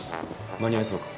間に合いそうか？